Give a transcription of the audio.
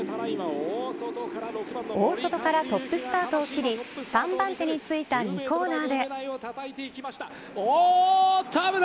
大外からトップスタートを切り３番手についた２コーナーで。